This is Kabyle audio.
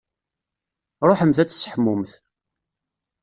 Ṛuḥemt ad tseḥmumt.